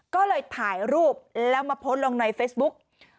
ก็เลยถ่ายรูปแล้วมาโพสต์ลงในเฟซบุ๊ก